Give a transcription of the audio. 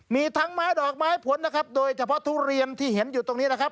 มีทั้งไม้ดอกไม้ผลนะครับโดยเฉพาะทุเรียนที่เห็นอยู่ตรงนี้นะครับ